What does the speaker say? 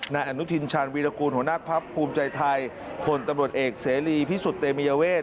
แมงแหน่งจินชาญวีรกูลหัวหน้าภัพธิ์ภูมิใจไทยผลตำรวจเอกเสรีภิสุธเตมเยเวท